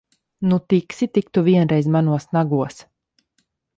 Nu, tiksi tik tu vienreiz manos nagos!